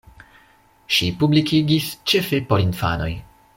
Ŝi publikigis ĉefe por infanoj.